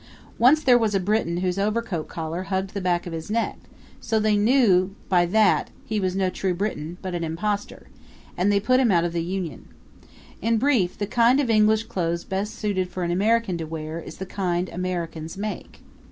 Once there was a Briton whose overcoat collar hugged the back of his neck; so they knew by that he was no true Briton, but an impostor and they put him out of the union. In brief, the kind of English clothes best suited for an American to wear is the kind Americans make.